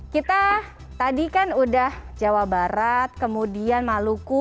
kita tadi kan udah jawa barat kemudian maluku